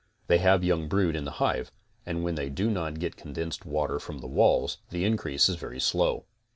They have young brood in the hive and when they do not get condensed water from the walls the increase is very slow.